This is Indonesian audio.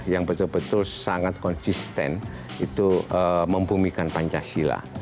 yang betul betul sangat konsisten itu membumikan pancasila